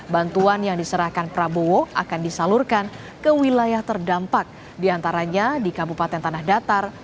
bantuan yang diserahkan prabowo akan disalurkan ke wilayah terdampak diantaranya di kabupaten tanah datar